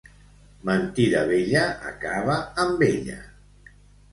Mentida vella, acaba amb ella.